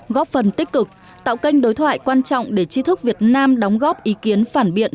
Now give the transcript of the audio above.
góp phần tích cực tạo kênh đối thoại quan trọng để tri thức việt nam đóng góp ý kiến phản biện